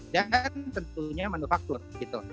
tentunya manufaktur gitu